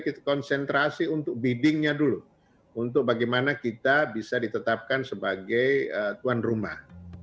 kita konsentrasi untuk biddingnya dulu untuk bagaimana kita bisa ditetapkan sebagai tuan rumah